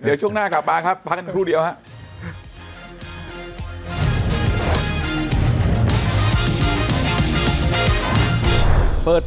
เดี๋ยวช่วงหน้ากลับมาครับพักกันครู่เดียวครับ